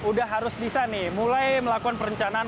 udah harus bisa nih mulai melakukan perencanaan